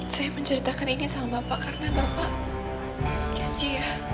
saya menceritakan ini sama bapak karena bapak janji ya